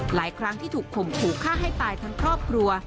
หลายครั้งที่ถูกข่มขู่ฆ่าให้ตายทั้งครอบครัว